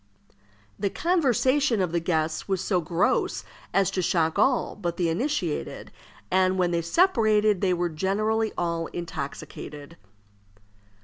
The conversation of the guests was so gross as to shock all but the initiated, and when they separated they were generally all intoxicated.